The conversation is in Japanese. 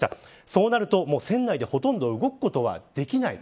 そうなると船内でほとんど動くことはできない。